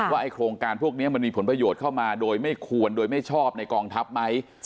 ว่าโครงการพวกนี้มันมีผลประโยชน์เข้ามาโดยไม่ควรโดยไม่ชอบในกองทัพไหม